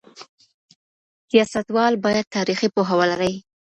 سیاستوال باید تاریخي پوهه ولري.